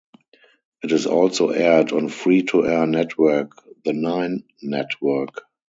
It is also aired on free-to-air network the Nine Network.